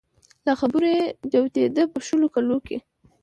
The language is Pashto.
له خبرو يې جوتېده په د شلو کلو کې